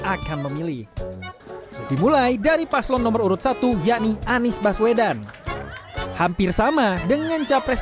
akan memilih dimulai dari paslon nomor urut satu yakni anies baswedan hampir sama dengan capres